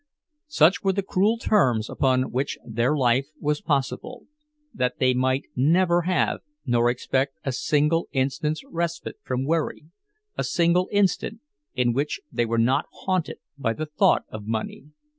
Such were the cruel terms upon which their life was possible, that they might never have nor expect a single instant's respite from worry, a single instant in which they were not haunted by the thought of money.